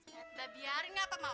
ya dah biarin apa mak